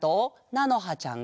なのはちゃん。